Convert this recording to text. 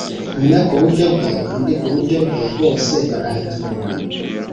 umwe ku buryo bwe undi ku buryo bwe, bose barahetura